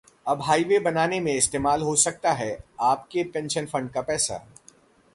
अब हाइवे बनाने में इस्तेमाल हो सकता है आपके पेंशन फंड का पैसा!